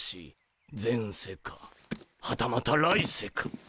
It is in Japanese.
前世かはたまた来世か。